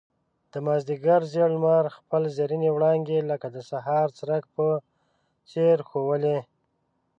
د مازيګر زېړ لمر خپل زرينې وړانګې لکه د سهار څرک په څېر ښوولې.